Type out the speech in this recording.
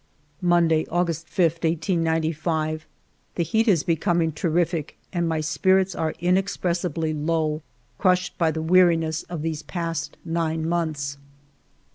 Monday^ August 5, 1895. The heat is becoming terrific and my spirits are inexpressibly low, crushed by the weariness of these past nine months.